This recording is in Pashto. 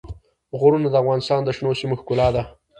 غرونه د افغانستان د شنو سیمو ښکلا ده.